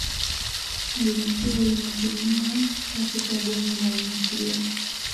Mbinu hiyo inatumiwa katika bomu la nyuklia.